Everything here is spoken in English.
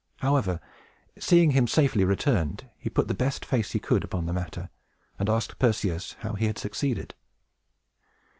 However, seeing him safely returned, he put the best face he could upon the matter and asked Perseus how he had succeeded.